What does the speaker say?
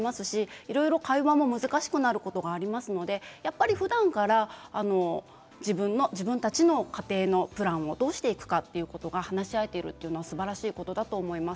いろいろ会話も難しくなる場合もありますのでふだんから自分たちの家庭のプランをどうしていくかということが話し合われているのはすばらしいと思います。